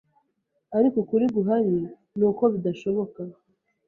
ariko ukuri guhari ni uko bidashoboka